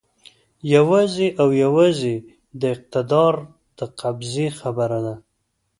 یوازې او یوازې د اقتدار د قبضې خبره ده.